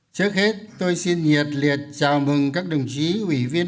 trước hết tôi xin nhiệt liệt chào mừng các đồng chí ủy viên